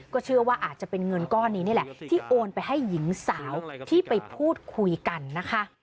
เชื่อว่าอาจจะเป็นเงินก้อนนี้นี่แหละที่โอนไปให้หญิงสาวที่ไปพูดคุยกันนะคะ